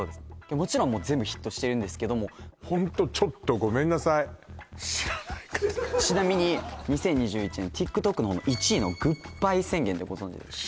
もちろん全部ヒットしてるんですけどもホントちょっとごめんなさいちなみに２０２１年ＴｉｋＴｏｋの方の１位の「グッバイ宣言」ってご存じですか？